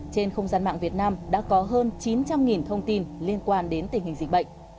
trên không gian mạng việt nam đã có hơn chín trăm linh thông tin liên quan đến tình hình dịch bệnh